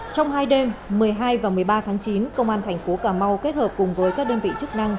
trong hai đêm một mươi hai và một mươi ba tháng chín công an thành phố cà mau kết hợp cùng với các đơn vị chức năng